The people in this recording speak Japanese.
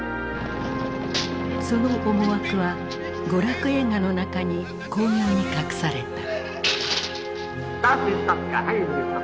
その思惑は娯楽映画の中に巧妙に隠された。